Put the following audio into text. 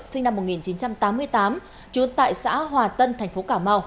sinh năm một nghìn chín trăm tám mươi tám trú tại xã hòa tân tp cà mau